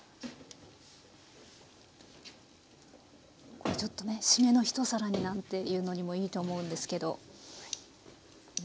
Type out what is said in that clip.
これちょっとねしめの一皿になんていうのにもいいと思うんですけどビールですかね？